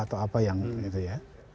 atau apa yang itu ya